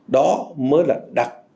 đó mới là đặt